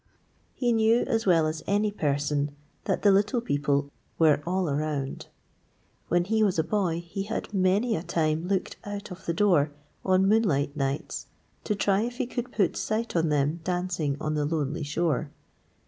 He knew, as well as any person, that the Little People were all around. When he was a boy he had many a time looked out of the door on moonlight nights to try if he could put sight on them dancing on the lonely shore.